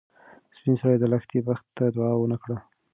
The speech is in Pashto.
سپین سرې د لښتې بخت ته دعا ونه کړه.